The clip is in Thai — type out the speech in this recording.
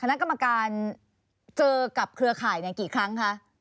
คณะกรรมการเจอกับเครือข่ายกี่ครั้งคะ